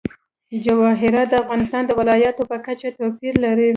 جواهرات د افغانستان د ولایاتو په کچه توپیر لري.